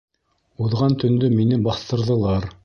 — Уҙған төндө мине баҫтырҙылар...